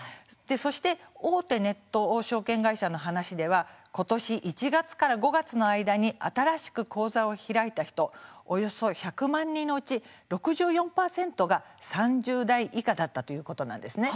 そして大手ネット証券会社の話ではことし１月から５月の間に新しく口座を開いた人およそ１００万人のうち６４％が３０代以下だったということなんですね。